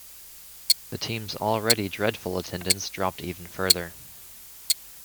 The team's already dreadful attendance dropped even further.